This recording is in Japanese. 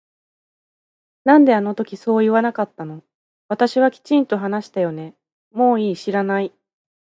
なんであの時そう言わなかったの私はきちんと話したよねもういい知らない